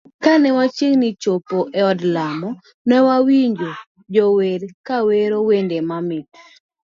Kane wachiegni chopo e od lamo, newawinjo jo wer kawero wende mamit.